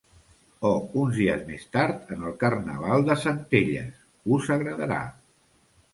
O uns dies més tard, en el Carnaval de Centelles, us agradarà!